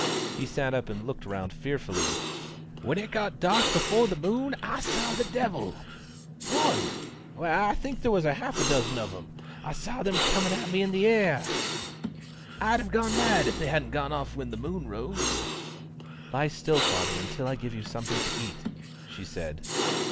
He sat up and looked round fearfully. "When it got dark before the moon came I saw the devil! One! I think there was half a dozen of them! I saw them comin' at me in the air. I'd have gone mad if they hadn't gone off when the moon rose." "Lie still, father, until I give you something to eat," she said.